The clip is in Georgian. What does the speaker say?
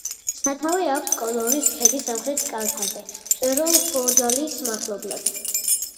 სათავე აქვს კოდორის ქედის სამხრეთ კალთაზე, მწვერვალ ხოჯალის მახლობლად.